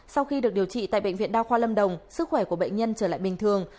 sau khi được điều trị tại bệnh viện đa khoa lâm đồng sức khỏe của bệnh nhân trở lại bình thường